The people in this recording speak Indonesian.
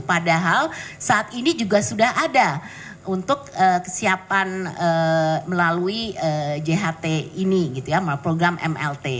padahal saat ini juga sudah ada untuk kesiapan melalui jht ini gitu ya program mlt